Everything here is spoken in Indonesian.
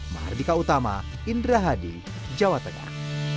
mahardika utama indra hadi jawa tengah